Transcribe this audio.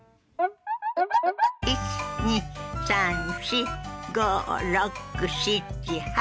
１２３４５６７８。